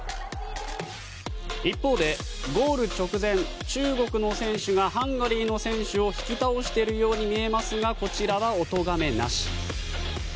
一方で、ゴール直前中国の選手がハンガリーの選手を引き倒しているように見えますがこちらはおとがめなし。